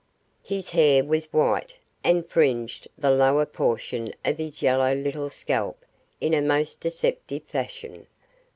His hair was white, and fringed the lower portion of his yellow little scalp in a most deceptive fashion.